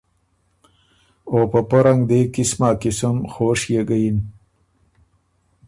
او په پۀ رنګ دی قِسما قِسُم خوشيې ګۀ یِن